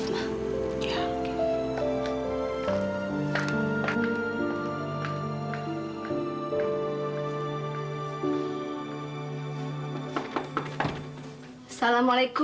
terima kasih sama dariku